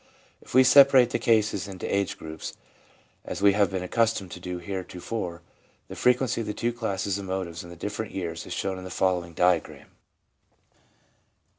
If we separate the cases into age groups, as we have been accustomed to do heretofore, the frequency of the two classes of motives in the different years is shown in the following diagram :— Age — 16 19 20 24 25 30 3S"4° 4° an d over.